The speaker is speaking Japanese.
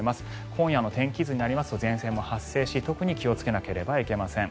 今夜の天気図になりますと前線も発生し特に気をつけなければいけません。